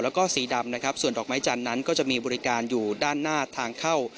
แล้วก็สีดำนะครับส่วนดอกไม้จันทร์นั้นก็จะมีบริการอยู่ด้านหน้าทางเข้า